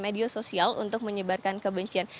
media sosial untuk menyebarkan kebencian